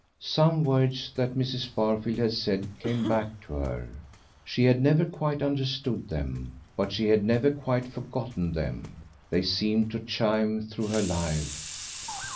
Some words that Mrs. Barfield had said came back to her; she had never quite understood them, but she had never quite forgotten them; they seemed to chime through her life.